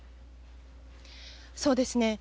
そうですね。